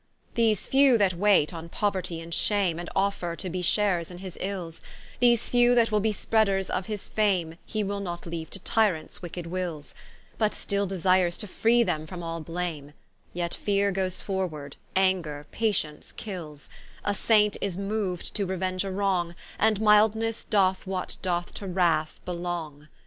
These few that wait on Pouerty and Shame, And offer to be sharers in his Ils; These few that will be spreaders of his Fame, He will not leaue to Tyrants wicked wils; But still desires to free them from all blame, Yet Feare goes forward, Anger Patience kils: A Saint is mooued to reuenge a wrong, And Mildnesse doth what doth to Wrath belong.